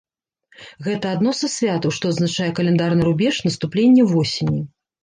Гэта адно са святаў, што адзначае каляндарны рубеж, наступленне восені.